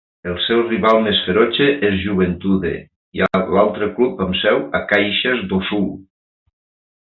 El seu rival més ferotge és Juventude, l'altre club amb seu a Caxias do Sul.